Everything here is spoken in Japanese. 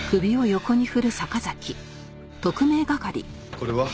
これは？